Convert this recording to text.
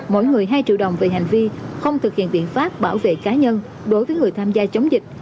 mỗi người hai triệu đồng về hành vi không thực hiện biện pháp bảo vệ cá nhân đối với người tham gia chống dịch